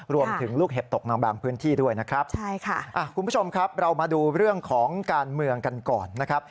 รวมถึงลูกเห็บตกในบางพื้นที่ด้วยนะครับใช่ค่ะคุณผู้ชมครับเรามาดูเรื่องของการเมืองกันก่อนนะครับ